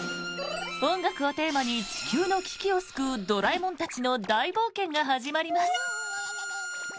音楽をテーマに地球の危機を救うドラえもんたちの大冒険が始まります。